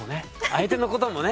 相手のこともね。